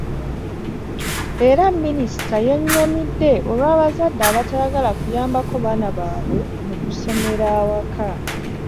Era Minisita yenyamidde olw'abazadde abatayagala kuyambako baana baabwe mu kusomera awaka.